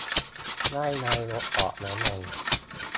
ไล่นายกออกแล้วไง ?